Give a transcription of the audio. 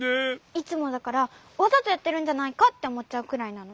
いつもだからわざとやってるんじゃないかっておもっちゃうくらいなの。